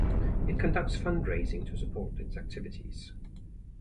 It conducts fundraising to support its activities.